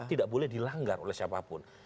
tidak boleh dilanggar oleh siapapun